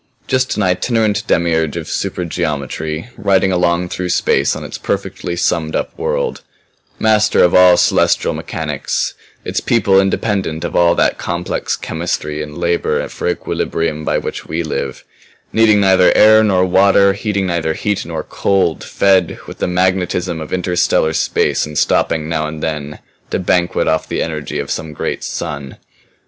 "Just an itinerant demiurge of supergeometry riding along through space on its perfectly summed up world; master of all celestial mechanics; its people independent of all that complex chemistry and labor for equilibrium by which we live; needing neither air nor water, heeding neither heat nor cold; fed with the magnetism of interstellar space and stopping now and then to banquet off the energy of some great sun."